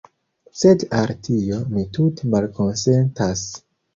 Sed al tio, mi tute malkonsentas.